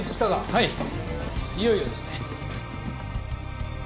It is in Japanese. はいいよいよですね